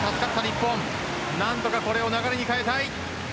何とかこれを流れに変えたい。